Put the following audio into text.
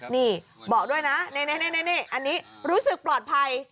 นี่บอกด้วยนะนี่อันนี้รู้สึกปลอดภัย